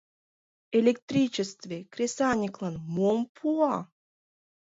ЭЛЕКТРИЧЕСТВЕ КРЕСАНЬЫКЛАН МОМ ПУА?